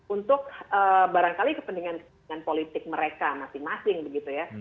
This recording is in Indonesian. untuk barangkali kepentingan kepentingan politik mereka masing masing begitu ya